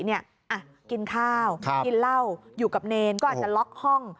กินข้าวกินเหล้าอยู่กับเนรก็อาจจะล็อกห้อง